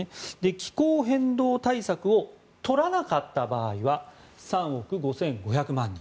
気候変動対策をとらなかった場合は３億５５００万人。